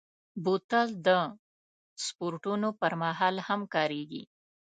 بوتل د سپورټونو پر مهال هم کارېږي.